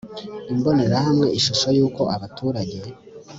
imbonerahamwe ishusho y uko abaturage